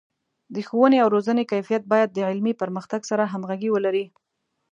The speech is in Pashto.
د ښوونې او روزنې کیفیت باید د علمي پرمختګ سره همغږي ولري.